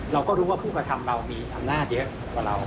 เราก็รู้ว่าผู้กระทำเรามีอำนาจเยอะกว่าเรา